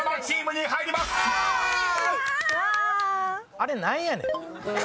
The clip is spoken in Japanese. あれ何やねん。